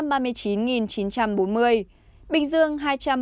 bình dương hai trăm ba mươi chín bảy trăm hai mươi tám